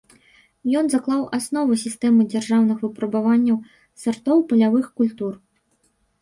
Ён заклаў асновы сістэмы дзяржаўных выпрабаванняў сартоў палявых культур.